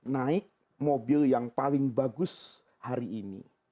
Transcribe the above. naik mobil yang paling bagus hari ini